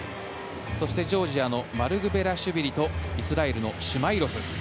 そしてジョージアのマルクベラシュビリとイスラエルのシュマイロフ。